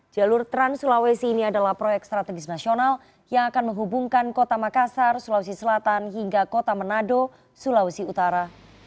jalur trans sulawesi ini adalah proyek strategis nasional yang akan menghubungkan kota makassar sulawesi selatan hingga kota manado sulawesi utara